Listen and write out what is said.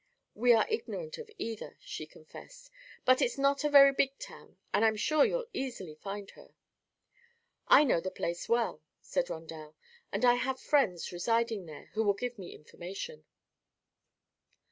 "We are ignorant of either," she confessed; "but it's not a very big town and I'm sure you'll easily find her." "I know the place well," said Rondel, "and I have friends residing there who will give me information."